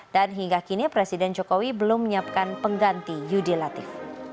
dan hingga kini presiden jokowi belum menyiapkan pengganti yudi latif